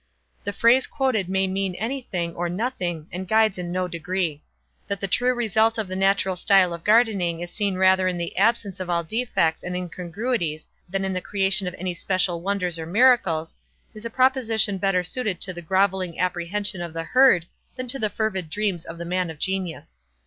The phrase quoted may mean any thing, or nothing, and guides in no degree. That the true result of the natural style of gardening is seen rather in the absence of all defects and incongruities than in the creation of any special wonders or miracles, is a proposition better suited to the grovelling apprehension of the herd than to the fervid dreams of the man of genius.